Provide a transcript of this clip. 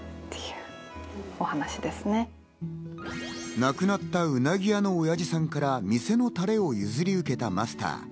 亡くなったうなぎ屋のおやじさんからお店のタレを譲り受けたマスター。